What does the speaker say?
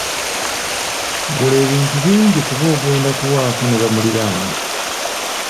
Gula ebintu bingi kuba ogenda kuwaako ne bamuliraanwa.